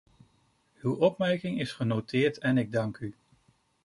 Uw opmerking is genoteerd en ik dank u.